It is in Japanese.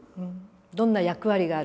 どんな役割がある？